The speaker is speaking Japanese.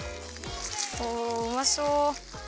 おおうまそう。